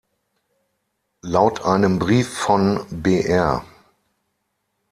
Laut einem Brief von Br.